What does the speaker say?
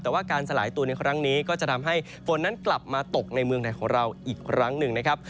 แต่ว่าการสลายตัวในครั้งนี้ก็จะทำให้ฝนนั้นกลับมาตกในเมืองไทยของเราอีกครั้งหนึ่งนะครับ